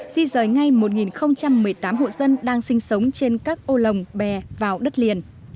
di rời ngay một một mươi tám hộ dân đang sinh sống trên các ô lồng bè vào đất liền